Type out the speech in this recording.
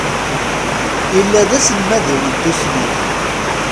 Illa d aselmad-iw n tusnakt.